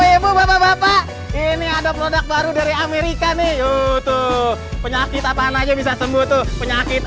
ini ada produk baru dari amerika nih yuk tuh penyakit apaan aja bisa sembuh tuh penyakit